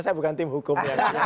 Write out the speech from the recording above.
saya bukan tim hukum